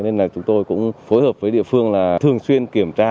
nên là chúng tôi cũng phối hợp với địa phương là thường xuyên kiểm tra